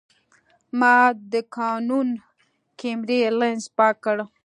ما د کانون کیمرې لینز پاک کړ.